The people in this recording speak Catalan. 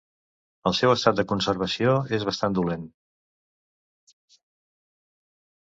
El seu estat de conservació és bastant dolent.